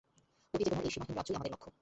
অতিচেতনার এই সীমাহীন রাজ্যই আমাদের লক্ষ্য।